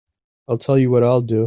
I'll tell you what I'll do.